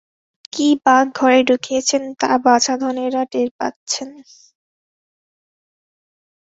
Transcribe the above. কি বাঘ ঘরে ঢুকিয়েছেন, তা বাছাধনেরা টের পাচ্ছেন।